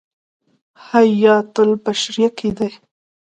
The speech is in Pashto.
حیاة البشریة کې دی.